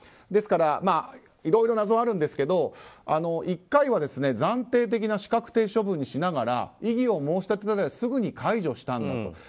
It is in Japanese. ですからいろいろ謎はあるんですけど１回は暫定的な資格停止処分にしながら異議を申し立てられてすぐに解除したと。